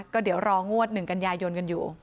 ก็เดี๋ยวรองวดหนึ่งกันยายยนต์กันอยู่